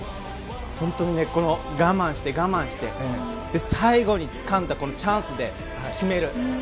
本当に我慢して我慢して最後につかんだこのチャンスで決める。